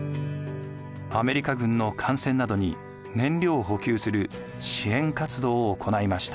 アメリカ軍の艦船などに燃料を補給する支援活動を行いました。